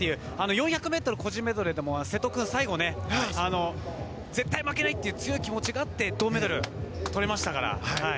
４００ｍ個人メドレーでも瀬戸君は最後、絶対に負けないという強い気持ちがあって銅メダルとれましたから。